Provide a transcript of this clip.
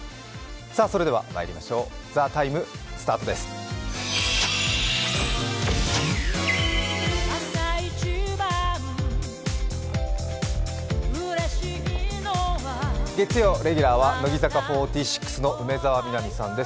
それではまいりましょう、「ＴＨＥＴＩＭＥ，」スタートです。